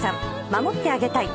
『守ってあげたい』